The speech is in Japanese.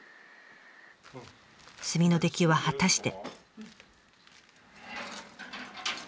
炭の出来は果たして。